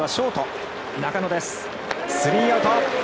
スリーアウト。